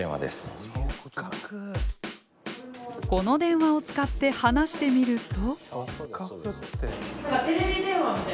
この電話を使って話してみると？